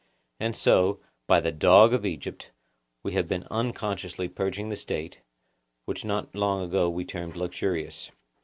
And so, by the dog of Egypt, we have been unconsciously purging the State, which not long ago we termed luxurious.